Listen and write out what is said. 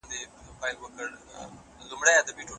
په لومړۍ ونه کي بند یې سول ښکرونه